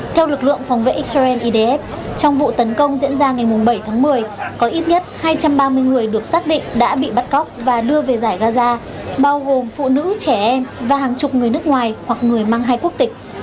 theo lực lượng phòng vệ israel idf trong vụ tấn công diễn ra ngày bảy tháng một mươi có ít nhất hai trăm ba mươi người được xác định đã bị bắt cóc và đưa về giải gaza bao gồm phụ nữ trẻ em và hàng chục người nước ngoài hoặc người mang hai quốc tịch